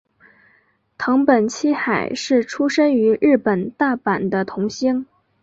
藤本七海是出身于日本大阪的童星。